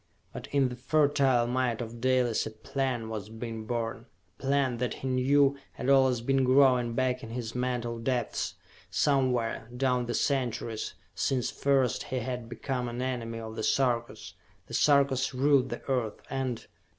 But in the fertile mind of Dalis a plan was being born a plan that, he knew, had always been growing back in his mental depths, somewhere, down the centuries, since first he had become an enemy of the Sarkas. The Sarkas ruled the Earth, and....